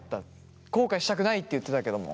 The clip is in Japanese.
後悔したくないって言ってたけども。